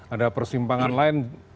ada persimpangan lain